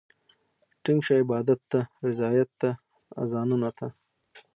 ټينګ شه عبادت ته، رياضت ته، اذانونو ته